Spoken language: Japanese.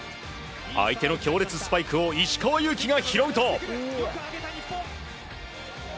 相手の強烈スパイクを石川祐希が拾うと。